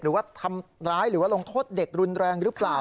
หรือว่าทำร้ายหรือว่าลงโทษเด็กรุนแรงหรือเปล่า